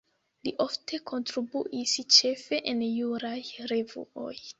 Li ofte kontribuis ĉefe en juraj revuoj.